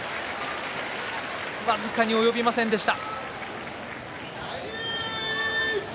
僅かに及びませんでした。